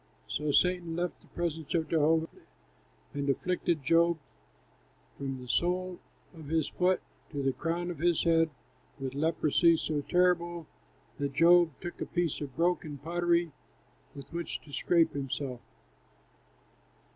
So Satan left the presence of Jehovah, and afflicted Job from the sole of his foot to the crown of his head with leprosy so terrible that Job took a piece of broken pottery with which to scrape himself.